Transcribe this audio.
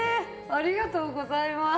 ありがとうございます。